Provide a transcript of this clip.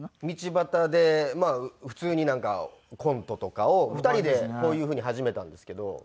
道端で普通になんかコントとかを２人でこういうふうに始めたんですけど。